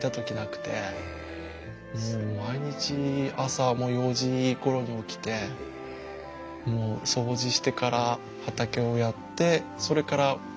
もう毎日朝はもう４時ごろに起きてもう掃除してから畑をやってそれからお仕事に行って。